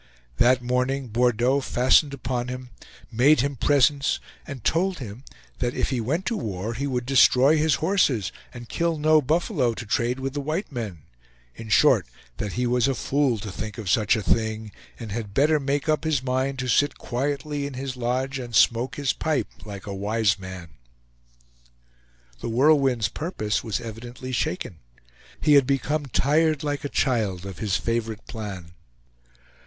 That morning Bordeaux fastened upon him, made him presents and told him that if he went to war he would destroy his horses and kill no buffalo to trade with the white men; in short, that he was a fool to think of such a thing, and had better make up his mind to sit quietly in his lodge and smoke his pipe, like a wise man. The Whirlwind's purpose was evidently shaken; he had become tired, like a child, of his favorite plan.